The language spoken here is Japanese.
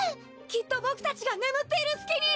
きっと僕たちが眠っている隙に！